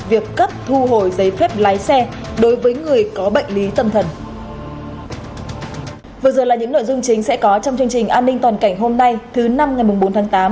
vừa rồi là những nội dung chính sẽ có trong chương trình an ninh toàn cảnh hôm nay thứ năm ngày bốn tháng tám